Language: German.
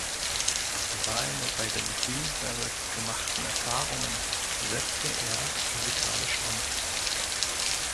Seine bei den Green Berets gemachten Erfahrungen setzte er musikalisch um.